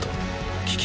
危機